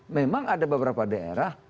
memang ada beberapa daerah